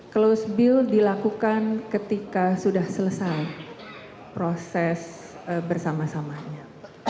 close build dilakukan ketika sudah selesai proses bersama samanya